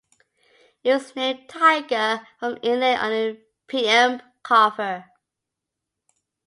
It was named Tiger from the inlay on the preamp cover.